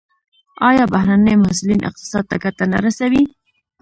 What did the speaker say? آیا بهرني محصلین اقتصاد ته ګټه نه رسوي؟